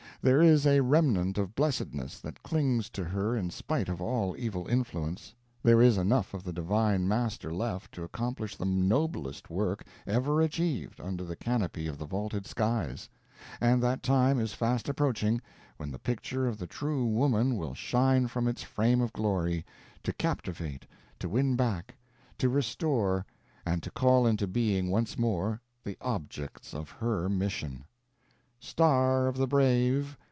There is a remnant of blessedness that clings to her in spite of all evil influence, there is enough of the Divine Master left to accomplish the noblest work ever achieved under the canopy of the vaulted skies; and that time is fast approaching, when the picture of the true woman will shine from its frame of glory, to captivate, to win back, to restore, and to call into being once more, the object of her mission. Star of the brave!